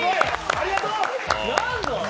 ありがとう！